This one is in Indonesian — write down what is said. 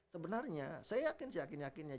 sebenarnya saya yakin saya yakin yakinnya